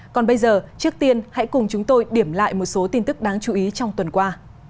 còn bây giờ trước tiên hãy cùng chúng tôi điểm lại một số tin tức đáng chú ý trong tuần qua